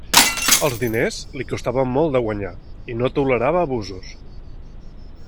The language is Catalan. Els diners li costaven molt de guanyar, i no tolerava abusos.